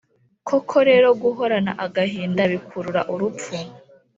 Koko rero guhorana agahinda bikurura urupfu,